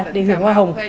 để hưởng hoa hồng